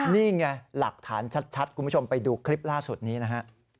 นี่ไงหลักฐานชัดคุณผู้ชมไปดูคลิปล่าสุดนี้นะฮะ